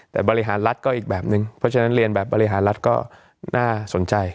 แต่บริหารรัฐก็อีกแบบนึงเพราะฉะนั้นเรียนแบบบริหารรัฐก็น่าสนใจ